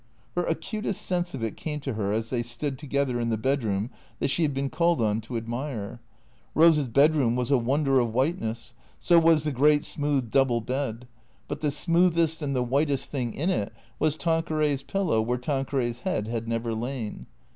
Her acutest sense of it came to her as they stood together in the bedroom that she had been called on to admire. Eose's bed room was a wonder of whiteness ; so was the great smooth double bed ; but the smoothest and the whitest thing in it was Tanque ray's pillow where Tanqucray's head had never lain.